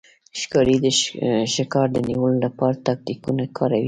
ښکاري د ښکار د نیولو لپاره تاکتیکونه کاروي.